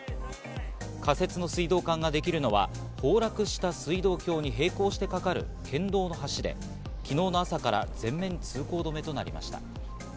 仮設の水道管ができるのは崩落した水道橋に並行してかかる県道の橋で、昨日の朝から全面通行止めとなりました。